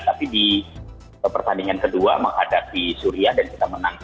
tapi di pertandingan kedua menghadapi syria dan kita menang